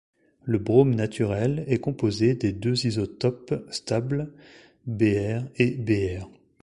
Le brome naturel est composé des deux isotopes stables Br et Br.